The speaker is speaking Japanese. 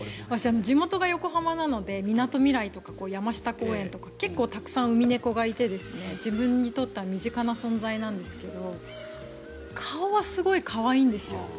地元が横浜なのでみなとみらいとか山下公園とか結構、ウミネコがいて自分にとっては身近な存在なんですが顔はすごい可愛いんですよ。